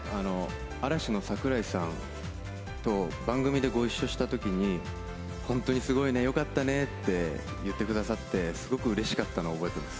嵐の櫻井さんと番組でご一緒したときに本当にすごいね、よかったねって言ってくださってすごくうれしかったのを覚えています。